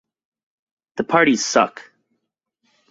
The parties suck.